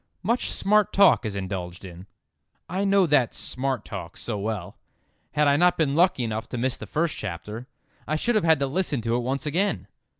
Much smart talk is indulged in." I know that "smart talk" so well. Had I not been lucky enough to miss that first chapter I should have had to listen to it once again.